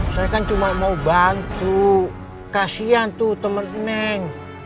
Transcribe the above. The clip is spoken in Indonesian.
saya kan cuma mau bantu kasihan tuh temen neng